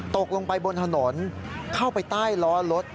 ตกลงไปบนถนนเข้าไปใต้ล้อรถ